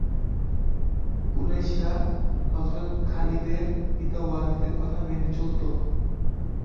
কুরাইশরা হযরত খালিদের পিতা ওলীদের কথা মেনে চলতো।